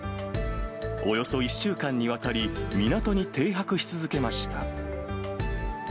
およそ１週間にわたり、港に停泊し続けました。